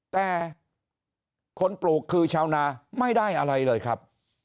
แต่คนปลูกคือชาวนาไม่ได้อะไรเลยครับ